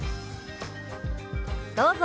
どうぞ。